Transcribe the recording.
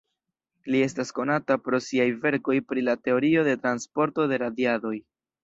Li estas konata pro siaj verkoj pri la teorio de transporto de radiadoj.